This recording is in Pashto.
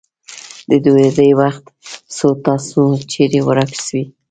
د ډوډی وخت سو تاسو چیري ورک سولې.